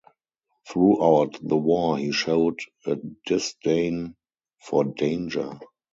Throughout the war he showed a disdain for danger.